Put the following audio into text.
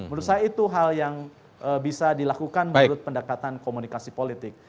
menurut saya itu hal yang bisa dilakukan menurut pendekatan komunikasi politik